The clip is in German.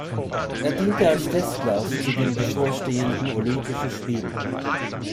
Er diente als Testlauf zu den bevorstehenden Olympischen Spielen.